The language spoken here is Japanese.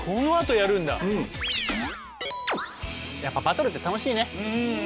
やっぱバトルって楽しいね。